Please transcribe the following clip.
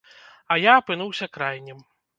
А я апынуўся крайнім.